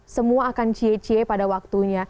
semua akan cie cie pada waktunya